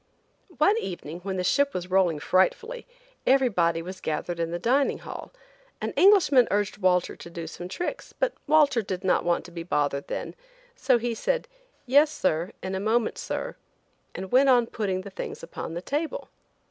One evening, when the ship was rolling frightfully, everybody was gathered in the dining hall; an Englishman urged Walter to do some tricks, but Walter did not want to be bothered then, so he said: "Yes, sir; in a moment, sir," and went on putting the things upon the table.